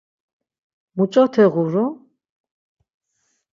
Muç̌ote ğuru?